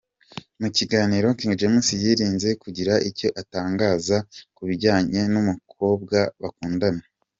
Mu kiganiro King James yirinze kugira icyo atangaza kubijyanye n’ umukobwa bakundana.